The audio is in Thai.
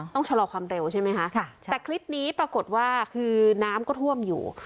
ต้องชะลอความเร็วใช่ไหมคะแต่คลิปนี้ปรากฏว่าคือน้ำก็ท่วมอยู่